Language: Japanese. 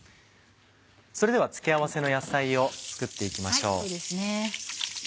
それでは付け合わせの野菜を作って行きましょう。